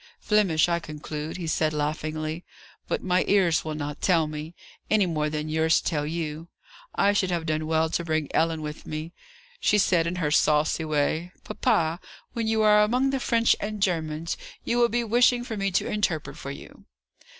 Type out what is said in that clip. "Flemish, I conclude," he said laughingly; "but my ears will not tell me, any more than yours tell you. I should have done well to bring Ellen with me. She said, in her saucy way, 'Papa, when you are among the French and Germans, you will be wishing for me to interpret for you.